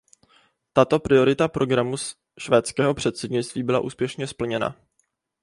Tato priorita programu švédského předsednictví byla úspěšně splněna.